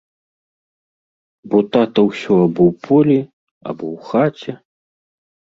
Бо тата ўсё або ў полі, або ў хаце.